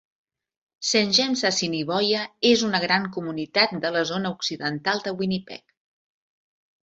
Saint James-Assiniboia és una gran comunitat de la zona occidental de Winnipeg.